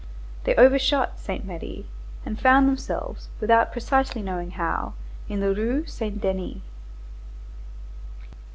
They overshot Saint Merry and found themselves, without precisely knowing how, in the Rue Saint Denis.